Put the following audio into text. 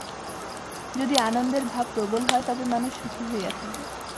যদি আনন্দের ভাব প্রবল হয়, তবে মানুষ সুখী হইয়া থাকে।